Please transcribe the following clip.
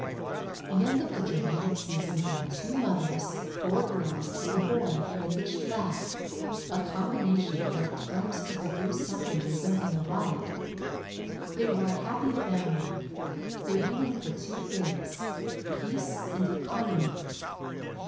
The end of the dramatic season found two mothers, four girls and a boy in the Gish flat, a combination that at times could produce something resembling a riot. They were a happy family. They went in for two things: peace, and economy.